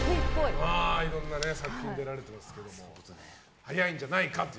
いろんな作品に出られてますけども早いんじゃないかと。